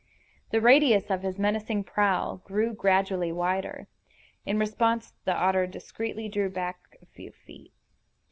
The radius of his menacing prowl grew gradually wider. In response the otter discreetly drew back a few feet.